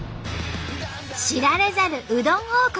知られざるうどん王国